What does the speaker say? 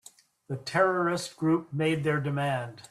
The terrorist group made their demand.